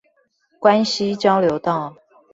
關西交流道